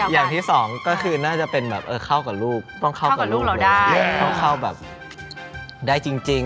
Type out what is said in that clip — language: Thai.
อย่างที่สองก็คือน่าจะเป็นแบบเข้ากับลูกต้องเข้ากับลูกเราต้องเข้าแบบได้จริง